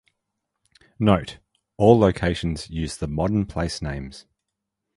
Note: All locations use the modern place names.